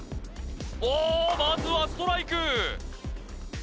おおまずはストライク！